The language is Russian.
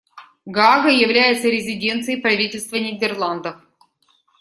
Гаага является резиденцией правительства Нидерландов.